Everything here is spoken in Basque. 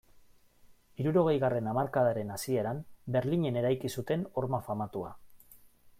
Hirurogeigarren hamarkadaren hasieran Berlinen eraiki zuten horma famatua.